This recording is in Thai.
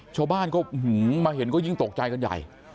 ชาวบ้านก็มาเห็นก็ยิ่งตกใจกันใหญ่